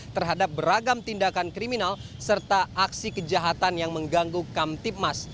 terhadap beragam tindakan kriminal serta aksi kejahatan yang mengganggu kamtipmas